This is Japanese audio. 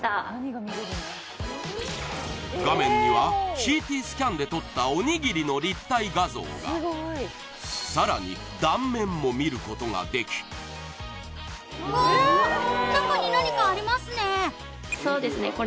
画面にはＣＴスキャンで撮ったおにぎりの立体画像がさらに断面も見ることができそうですね